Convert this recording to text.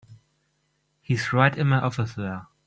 He's right in my office there.